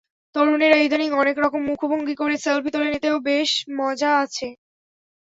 তরুণেরা ইদানীং অনেক রকম মুখভঙ্গি করে সেলফি তোলেন, এতেও বেশ মজা আছে।